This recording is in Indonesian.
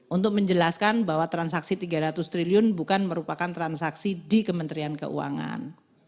untuk menjelaskan bahwa transaksi rp tiga ratus triliun bukan merupakan transaksi di kementerian keuangan